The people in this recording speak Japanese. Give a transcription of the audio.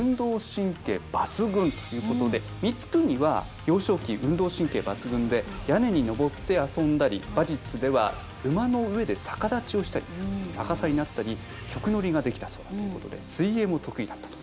光圀は幼少期運動神経抜群で屋根に登って遊んだり馬術では馬の上で逆立ちをしたり逆さになったり曲乗りができたそうだっていうことで水泳も得意だったと。